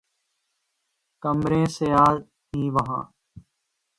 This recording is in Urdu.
کمریں سیاہ تھیں وہاں